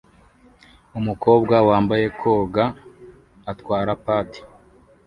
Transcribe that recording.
Umukobwa wambaye koga atwara padi